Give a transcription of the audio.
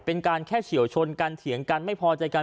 เป็นการแค่เฉียวชนกันเถียงกันไม่พอใจกัน